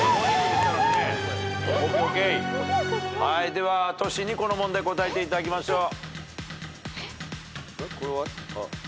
ではトシにこの問題答えていただきましょう。